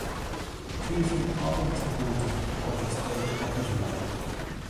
She is an ardent supporter of the state of Israel.